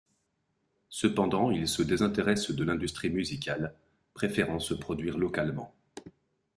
Cependant, il se désintéresse de l'industrie musicale, préférant se produire localement.